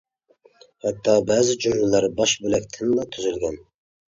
ھەتتا، بەزى جۈملىلەر باش بۆلەكتىنلا تۈزۈلگەن.